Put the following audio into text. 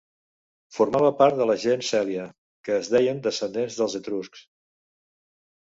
Formava part de la gens Cèlia, que es deien descendents dels etruscs.